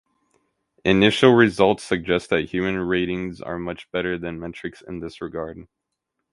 Initial results suggest that human ratings are much better than metrics in this regard.